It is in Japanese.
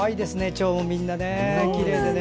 チョウ、みんなきれいで。